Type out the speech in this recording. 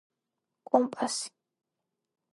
კომპასი